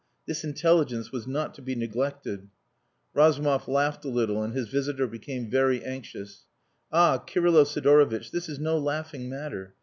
This intelligence was not to be neglected. Razumov laughed a little, and his visitor became very anxious. "Ah! Kirylo Sidorovitch, this is no laughing matter.